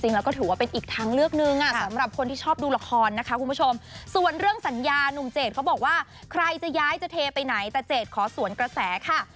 แล้วก็ถือว่าเป็นอีกทางเลือกหนึ่งสำหรับคนที่ชอบดูละครนะคะคุณผู้ชมส่วนเรื่องสัญญาหนุ่มเจดเขาบอกว่าใครจะย้ายจะเทไปไหนแต่เจดขอสวนกระแสค่ะ